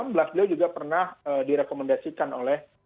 beliau juga pernah direkomendasikan oleh